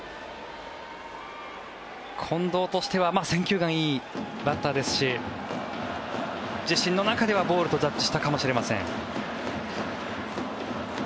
近藤としては選球眼がいいバッターですし自身の中ではボールとジャッジしたかもしれません。